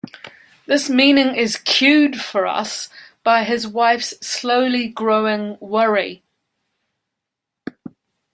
This meaning is cued for us by his wife's slowly growing worry.